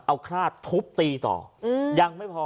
เอาคราดทุบตีต่อยังไม่พอ